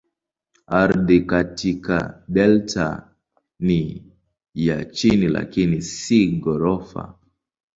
Ardhi katika delta ni ya chini lakini si ghorofa.